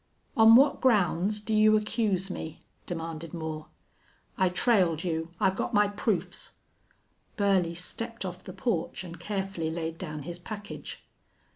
"On what grounds do you accuse me?" demanded Moore. "I trailed you. I've got my proofs." Burley stepped off the porch and carefully laid down his package.